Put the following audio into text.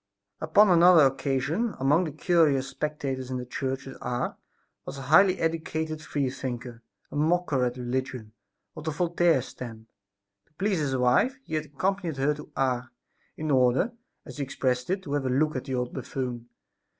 Upon another occasion, among the curious spectators in the church at Ars was a highly educated freethinker, a mocker at religion, of the Voltaire stamp. To please his wife he had accompanied her to Ars, in order, as he expressed it, to have a look at "the old buffoon."